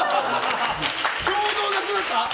ちょうどなくなった。